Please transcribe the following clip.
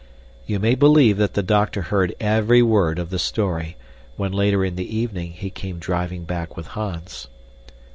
You may believe that the doctor heard every word of the story, when later in the evening he came driving back with Hans.